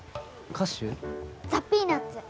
ザ・ピーナッツ。